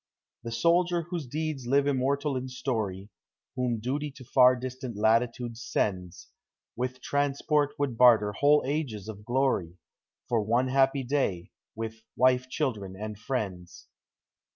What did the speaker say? The soldier, whose deeds live immortal in story, Whom duty to far distant latitudes sends, With transport would bai ter whole ages of glory For one happy day with — wife, children, ami friends.